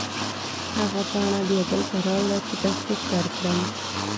هغه پاڼه بیا دلته راوړه چې تصدیق درکړم.